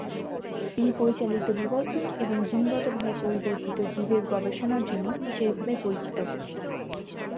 তিনি "পরিচালিত বিবর্তন" এবং জিনগতভাবে পরিবর্তিত জীবের গবেষণার জন্য বিশেষভাবে পরিচিত।